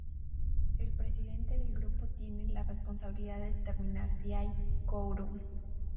El presidente del grupo tiene la responsabilidad de determinar si hay cuórum.